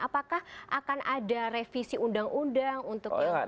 apakah akan ada revisi undang undang untuk yang